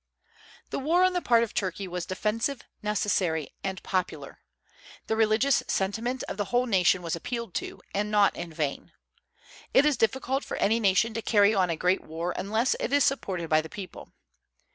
The war on the part of Turkey was defensive, necessary, and popular. The religious sentiment of the whole nation was appealed to, and not in vain. It is difficult for any nation to carry on a great war unless it is supported by the people.